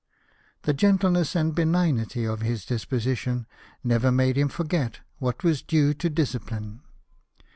The gentleness and benignity of his disposition never made him forget what was due to discipline.